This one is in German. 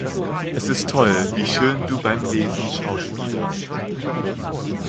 Es ist toll, wie schön du beim Lesen schauspielerst!